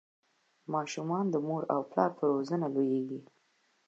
ماشومان د مور او پلار په روزنه لویږي.